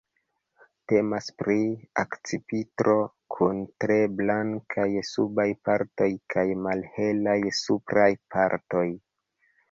Temas pri akcipitro kun tre blankaj subaj partoj kaj malhelaj supraj partoj.